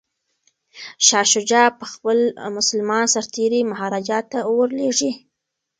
شاه شجاع به خپل مسلمان سرتیري مهاراجا ته ور لیږي.